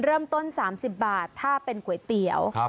เริ่มต้น๓๐บาทถ้าเป็นก๋วยเตี๋ยว